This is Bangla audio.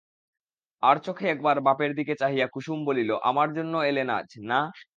আড়চোখে একবার বাপের দিকে চাহিয়া কুসুম বলিল, আমার জন্য এলেন আজ, না?